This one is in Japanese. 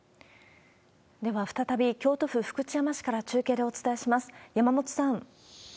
では、再び京都府福知山市から中継でお伝えします。